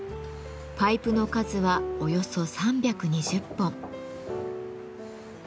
パイプの数はおよそ３２０本。